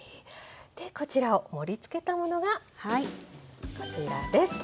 でこちらを盛りつけたものがこちらです。